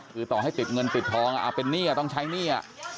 คือต่อให้ติดเงินติดทองเป็นหนี้ต้องใช้หนี้